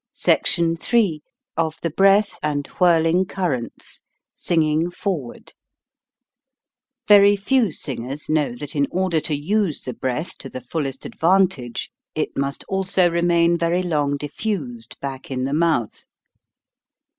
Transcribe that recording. SECTION III OF THE BREATH AND WHIRLING CURRENTS (SINGING FORWARD) VERY few singers know that in order to use the breath to the fullest advantage it must also remain very long diffused back in the mouth.